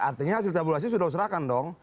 artinya hasil tabulasi sudah diserahkan dong